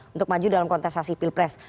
untuk maju dalam kontestasi pilpres